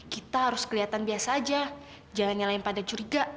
kita harus kelihatan biasa aja jangan nilain pada curiga